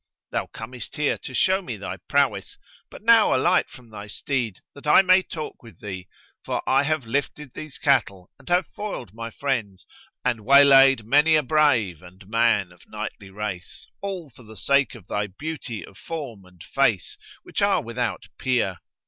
Thou comest here to show me thy prowess; but now alight from thy steed, that I may talk with thee, for I have lifted these cattle and have foiled my friends and waylaid many a brave and man of knightly race, all for the sake of thy beauty of form and face, which are without peer.